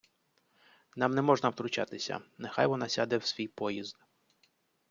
Нам не можна втручатися. Нехай вона сяде в свій поїзд.